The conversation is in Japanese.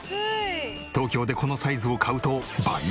東京でこのサイズを買うと倍以上。